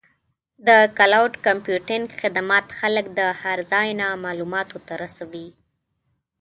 د کلاؤډ کمپیوټینګ خدمات خلک د هر ځای نه معلوماتو ته رسوي.